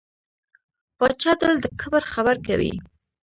پاچا تل د کبر خبرې کوي .